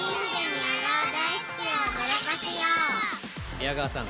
宮川さん！